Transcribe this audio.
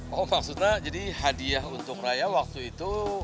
oh maksudnya jadi hadiah untuk raya waktu itu